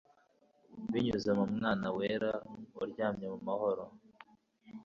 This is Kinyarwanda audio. binyuze mu mwana wera, uryamye mu mahoro